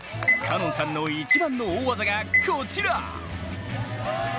花音さんの一番の大技がこちら！